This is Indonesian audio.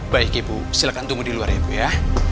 baik ibu silahkan tunggu di luar ya ibu ya